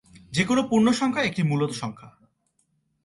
যেকোন পূর্ণ সংখ্যা একটি মূলদ সংখ্যা।